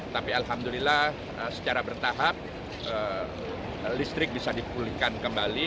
tapi alhamdulillah secara bertahap listrik bisa dipulihkan kembali